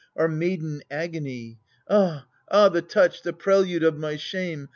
1 Our miliden agony! '^^'"J^^Alir^Vthe touch, the prelude of my shame.